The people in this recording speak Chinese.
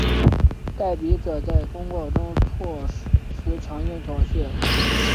代笔者在公告中措辞强硬挑衅。